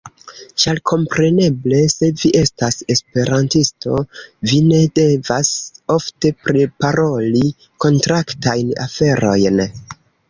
Ĉar kompreneble, se vi estas Esperantisto, vi ne devas ofte priparoli kontraktajn aferojn.